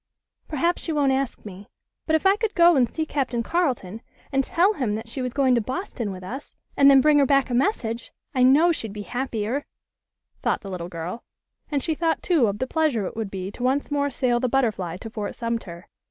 "Perhaps she won't ask me. But if I could go and see Captain Carleton, and tell him that she was going to Boston with us, and then bring her back a message, I know she'd be happier," thought the little girl. And she thought, too, of the pleasure it would be to once more sail the Butterfly to Fort Sumter.